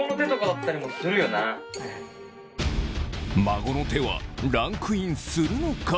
孫の手はランクインするのか？